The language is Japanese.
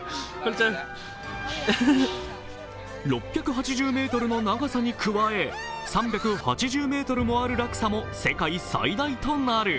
６８０ｍの長さに加え、３８０ｍもある落差も世界最大となる。